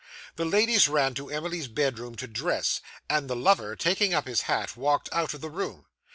The ladies ran to Emily's bedroom to dress, and the lover, taking up his hat, walked out of the room.